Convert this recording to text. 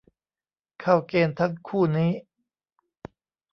เข้าเกณฑ์ทั้งคู่นี้